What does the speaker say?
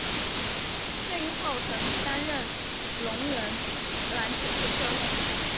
退役后曾担任聋人篮球队教练。